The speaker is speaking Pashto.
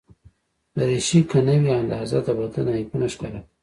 دریشي که نه وي اندازه، د بدن عیبونه ښکاره کوي.